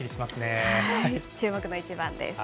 注目の一番です。